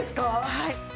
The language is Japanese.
はい。